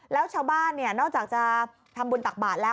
แล้วชาวบ้านนอกจากจะทำบุญตชาติบาทแล้ว